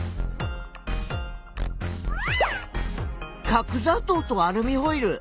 角ざとうとアルミホイル。